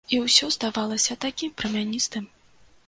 І ўсё здавалася такім прамяністым.